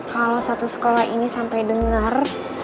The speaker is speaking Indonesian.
kalo satu sekolah ini sampai denger